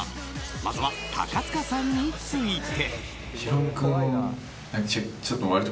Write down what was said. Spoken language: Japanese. まずは、高塚さんについて。